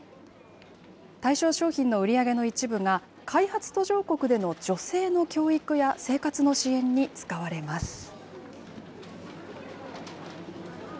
対象商品の売り上げの一部が、開発途上国での女性の教育や生活の支援に使われます。